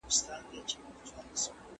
موږ باید عملي تګلارې ولرو.